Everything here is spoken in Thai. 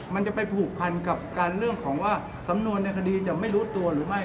มันจะไปผูกพันกับการเรื่องของว่าสำนวนในคดีจะไม่รู้ตัวหรือไม่